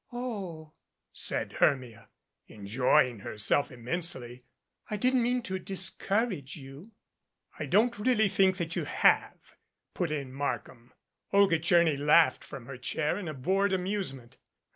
"Oh," said Hermia, enjoying herself immensely. "I didn't mean to discourage you." "I don't really think that you have," put in Mark ham. Olga Tcherny laughed from her chair in a bored amusement.